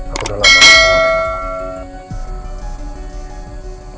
aku udah lama gak mau ketemu